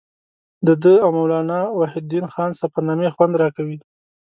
د ده او مولانا وحیدالدین خان سفرنامې خوند راکوي.